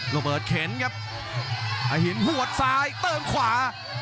ระเบิดเข็นครับอหินหัวซ้ายเติมขวา